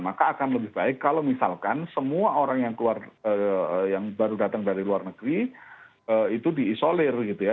jadi ini akan lebih baik kalau misalkan semua orang yang baru datang dari luar negeri itu diisolir gitu ya